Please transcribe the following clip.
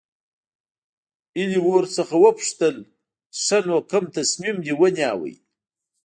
هيلې ورڅخه وپوښتل چې ښه نو کوم تصميم دې ونيو.